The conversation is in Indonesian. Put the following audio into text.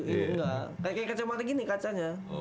kayak kacamata gini kacanya